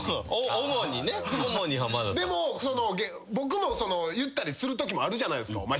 でも僕も言ったりするときあるじゃないですか。